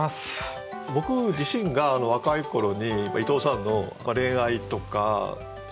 僕自身が若い頃に伊藤さんの恋愛とか出産の詩を読んで。